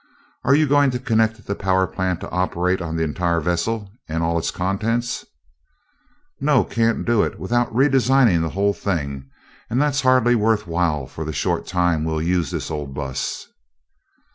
"Are you going to connect the power plant to operate on the entire vessel and all its contents?" "No can't do it without redesigning the whole thing and that's hardly worth while for the short time we'll use this old bus."